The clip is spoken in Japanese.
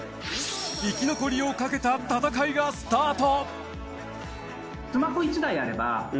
生き残りをかけた戦いがスタート。